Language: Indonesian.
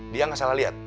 dia gak salah liat